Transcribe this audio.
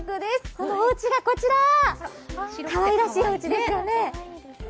このおうちがこちら、かわいらしいおうちですよね。